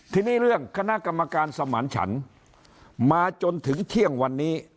ทีนี้เรื่องคณะกรรมการสมานฉันมาจนถึงเที่ยงวันนี้